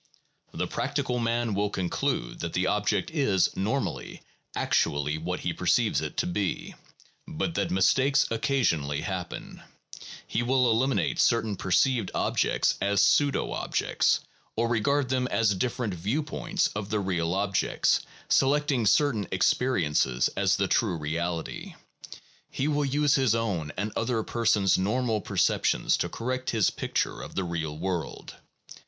The practical man will conclude that the object is, normally, actually what he perceives it to be, but that mistakes occasionally happen; he will eliminate certain perceived objects as pseudo objects, or regard them as different view points of the real objects, select ing certain experiences as the true reality; he will use his own and other persons' normal perceptions to correct his picture of the real world.